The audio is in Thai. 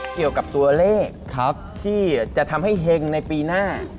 เกี่ยวกับตัวเลขที่จะทำให้เฮงในปีหน้า